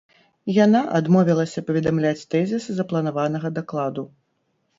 Яна адмовілася паведамляць тэзісы запланаванага дакладу.